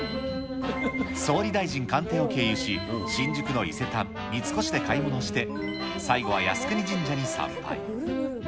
総理大臣官邸を経由し、新宿の伊勢丹・三越で買い物して、最後は靖国神社に参拝。